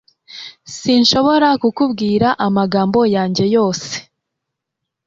Sinshobora kukubwira amabanga yanjye yose